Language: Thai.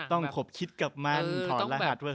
ต้องผมคบคิดกับมันถอดรหัฐว่า